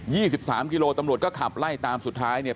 ๒๓กิโลกรัมตำรวจก็ขับไล่ตามสุดท้ายเนี่ย